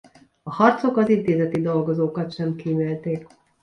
A harcok az intézeti dolgozókat sem kímélték.